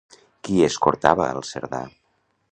Qui escortava al Cerdà?